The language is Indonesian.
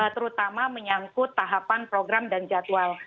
terutama menyangkut tahapan program dan jadwal